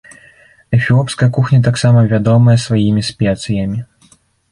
Эфіопская кухня таксама вядомая сваімі спецыямі.